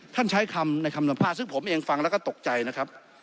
ใช้คำในคำสัมภาษณ์ซึ่งผมเองฟังแล้วก็ตกใจนะครับ